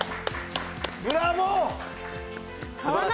ブラボー！